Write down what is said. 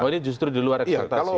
oh ini justru di luar ekspektasi